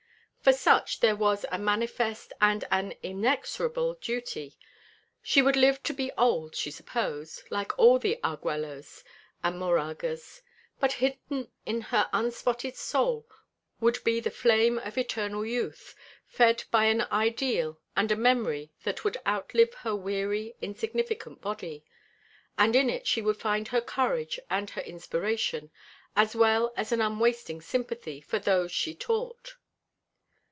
For such there was a manifest and an inexorable duty. She would live to be old, she supposed, like all the Arguellos and Moragas; but hidden in her unspotted soul would be the flame of eternal youth, fed by an ideal and a memory that would outlive her weary, insignificant body. And in it she would find her courage and her inspiration, as well as an unwasting sympathy for those she taught.